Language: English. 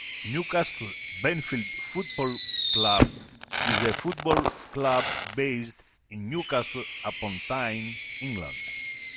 Newcastle Benfield Football Club is a football club based in Newcastle upon Tyne, England.